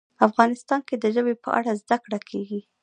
افغانستان کې د ژبې په اړه زده کړه کېږي.